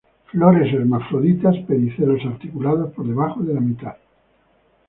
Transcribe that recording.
Flores hermafroditas, pedicelos articulados por debajo de la mitad.